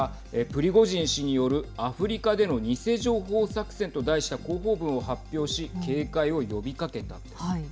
プリゴジン氏によるアフリカでの偽情報作戦と題した広報文を発表し警戒を呼びかけたんですね。